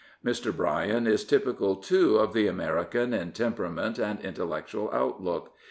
Mr. Bryan is typical, too, of the American in temperament and intellectual outlook.